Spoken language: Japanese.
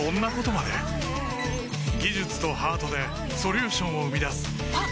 技術とハートでソリューションを生み出すあっ！